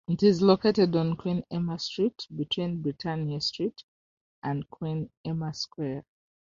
It is located on Queen Emma Street, between Beretania Street and Queen Emma Square.